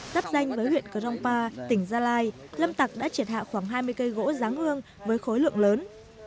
sắp danh với huyện crongpa tỉnh gia lai lâm tạc đã triệt hạ khoảng hai mươi cây gỗ ráng hương với khối lượng lớn